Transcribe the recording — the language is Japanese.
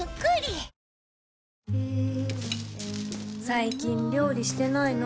最近料理してないの？